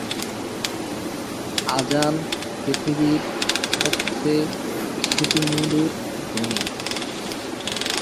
কূটনীতিক হিসাবে তিনি ইরান এবং ইরাক ও আফগানিস্তানের রাষ্ট্রদূতের দায়িত্ব পালন করেছিলেন।